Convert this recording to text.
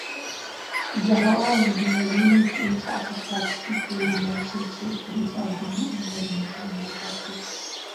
جہاں بحرینی chief of staff field marshal Sheikh Khalifa bin Ahmed سے ملاقات کی